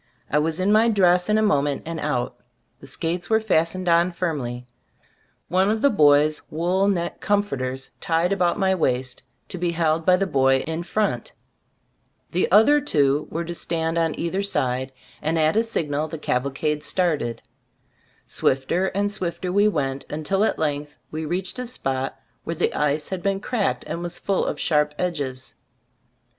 I was in my dress in a moment and out. The skates were fastened on firmly, one of the boy's wool neck "comforters" tied about my waist, to be held by the boy in front. The other two were to stand on either 60 ttbe Storp of Ai? Gbtlftbooft side, and at a signal the cavalcade started. Swifter and swifter we went, until at length we reached a spot where the ice had been cracked and was full of sharp edges.